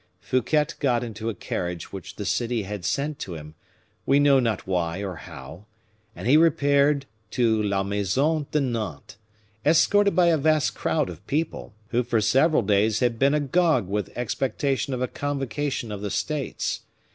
Fouquet got into a carriage which the city had sent to him, we know not why or how, and he repaired to la Maison de Nantes, escorted by a vast crowd of people, who for several days had been agog with expectation of a convocation of the States.